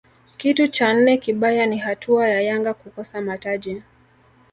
Kitu cha nne kibaya ni hatua ya Yanga kukosa mataji